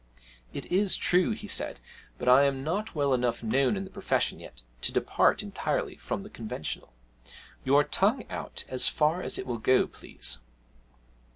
'It is true,' he said, 'but I am not well enough known in the profession yet to depart entirely from the conventional. Your tongue out as far as it will go, please.'